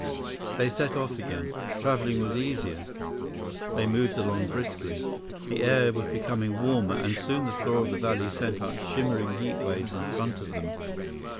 They set off again. Traveling was easier. They moved along briskly. The air was becoming warmer, and soon the floor of the valley sent up shimmering heat waves in front of them.